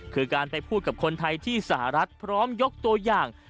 คือการไปพูดกับคนไทยที่สหรัฐพร้อมยกตัวอย่าง